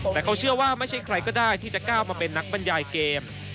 แต่เขาเชื่อว่าไม่ใช่ใครก็ได้ที่จะก้าวมาเป็นนักบรรยายเกม